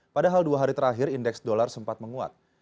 padahal dua hari terakhir indeks dollar sempat menguat